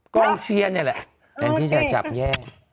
กล้องเชียร์เนี่ยแหละ